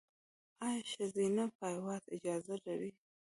ایا ښځینه پایواز اجازه لري؟